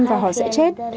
và họ sẽ chết